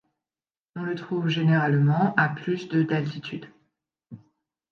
On le trouve généralement à plus de d'altitude.